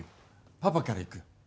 パパからいく。